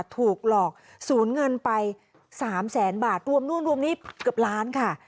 ถูกหลอกศูนย์เงินไป๓แสนบาทรวมนู่นรวมนี่เกือบล้านค่ะ